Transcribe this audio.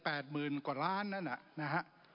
แปดหมื่นกว่าล้านนั้นนะฮะ